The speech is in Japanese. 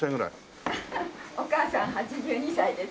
お母さん８２歳です。